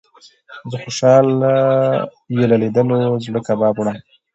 زه خوشال يې له ليدلو زړه کباب وړم